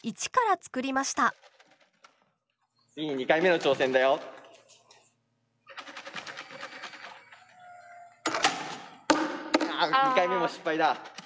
あっ２回目も失敗だ。